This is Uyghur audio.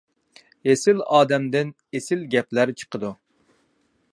ئېسىل ئادەمدىن ئېسىل گەپلەر چىقىدۇ.